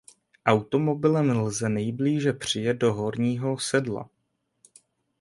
Automobilem lze nejblíže přijet do Horního sedla.